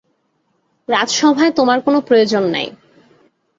রাজাসভায় তোমার কোনো প্রয়োজন নাই।